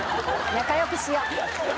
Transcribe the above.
仲良くしよ。